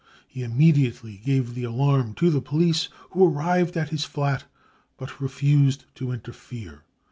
He immediately gave the alarm to tne police, who arrived at his flat but refused to interfere.